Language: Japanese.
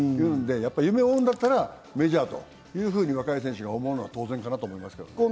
夢を追うんだったらメジャーというふうに若い選手が思うのは当然かなと思います。